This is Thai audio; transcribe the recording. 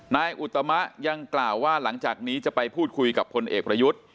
อุตมะยังกล่าวว่าหลังจากนี้จะไปพูดคุยกับพลเอกประยุทธ์